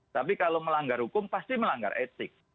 tapi kalau melanggar hukum pasti melanggar etik